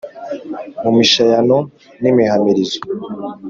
mu mishayayo n' imihamirizo.